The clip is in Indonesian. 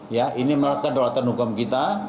ya ini melakukan dolatan hukum kita